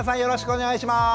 お願いします。